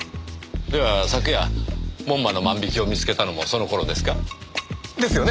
では昨夜門馬の万引きを見つけたのもその頃ですか？ですよね？